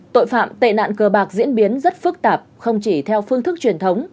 tội phạm tệ nạn cờ bạc diễn biến rất phức tạp không chỉ theo phương thức truyền thống